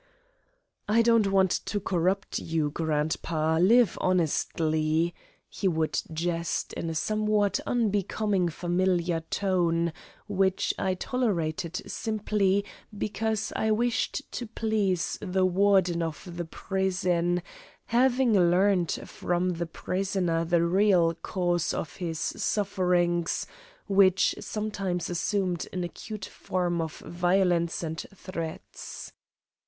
"I don't want to corrupt you, grandpa live honestly," he would jest in a somewhat unbecoming familiar tone, which I tolerated simply because I wished to please the Warden of the prison, having learned from the prisoner the real cause of his sufferings, which sometimes assumed an acute form of violence and threats.